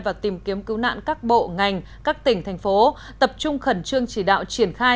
và tìm kiếm cứu nạn các bộ ngành các tỉnh thành phố tập trung khẩn trương chỉ đạo triển khai